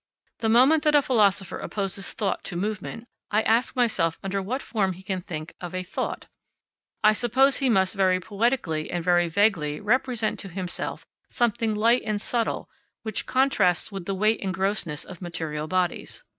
The moment that a philosopher opposes thought to movement, I ask myself under what form he can think of a "thought," I suppose he must very poetically and very vaguely represent to himself something light and subtle which contrasts with the weight and grossness of material bodies.